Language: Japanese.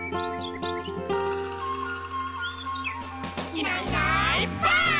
「いないいないばあっ！」